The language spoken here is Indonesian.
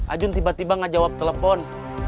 ajun tiba tiba ngajawab telepon